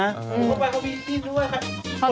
คนไปเขามีที่ด้วย